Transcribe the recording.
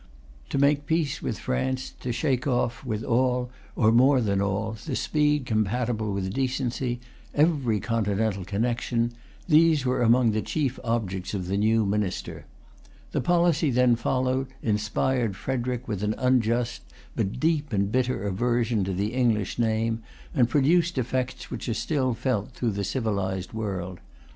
To make peace with France, to shake off, with all, or more than all, the speed compatible with decency, every Continental connection, these were among the chief objects of the new Minister. The policy then followed inspired Frederic with an unjust, but deep and bitter aversion to the English name, and produced effects which are still felt throughout the civilized world.